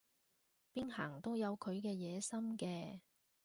邊行都有佢嘅野心嘅